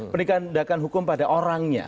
penindakan hukum pada orangnya